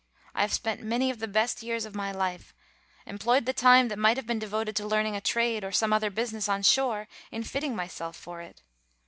I have spent many of the best years of my life, employed the time that might have been devoted to learning a trade, or some other business on shore, in fitting myself for it.